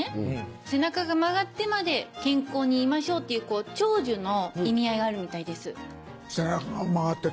背中が曲がってまで健康にいましょうっていう長寿の意味合いがあるみたいです。